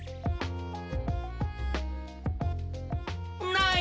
ない！